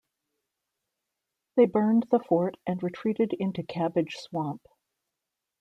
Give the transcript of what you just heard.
They burned the fort and retreated into Cabbage Swamp.